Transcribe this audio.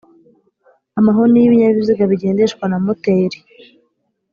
Amahoni y'ibinyabiziga bigendeshwa na moteri